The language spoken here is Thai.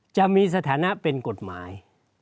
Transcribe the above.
จะมีสถานะเป็นกฎหมาย